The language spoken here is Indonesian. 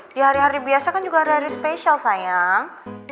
di hari hari biasa kan juga hari hari spesial sayang